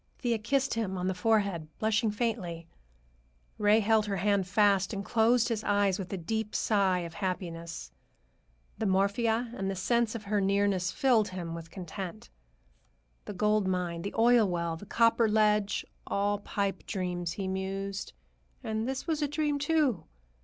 Thea kissed him on the forehead, blushing faintly. Ray held her hand fast and closed his eyes with a deep sigh of happiness. The morphia and the sense of her nearness filled him with content. The gold mine, the oil well, the copper ledge—all pipe dreams, he mused, and this was a dream, too.